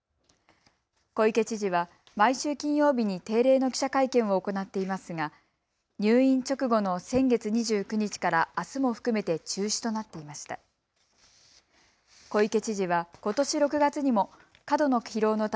小池知事は毎週金曜日に定例の記者会見を行っていますが入院直後の先月２９日からあすも含めて中止となっていました。